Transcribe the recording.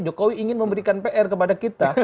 mereka mungkin memberikan pr kepada kita